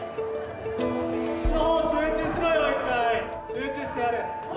集中してやれ。